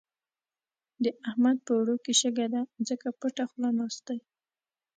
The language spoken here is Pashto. د احمد په اوړو کې شګه ده؛ ځکه پټه خوله ناست دی.